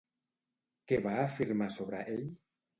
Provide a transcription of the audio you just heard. Què va afirmar sobre ell?